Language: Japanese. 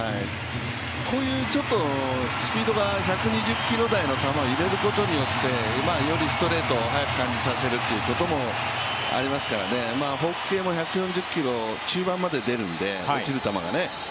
こういうスピードが１２０キロ台のストレートを入れることによってよりストレートを速く感じさせるということもありますからフォーク系も中盤まで出るんで落ちる系もね。